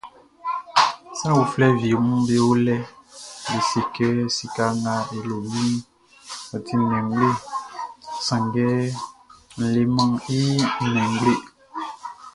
Sran uflɛ wieʼm be o lɛʼn, be se kɛ sika nga n le iʼn, ɔ ti nnɛn ngble, sanngɛ n lemɛn i nnɛn ngble.